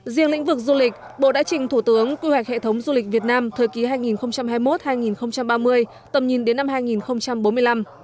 riêng lĩnh vực du lịch bộ đã trình thủ tướng quy hoạch hệ thống du lịch việt nam thời kỳ hai nghìn hai mươi một hai nghìn ba mươi tầm nhìn đến năm hai nghìn bốn mươi năm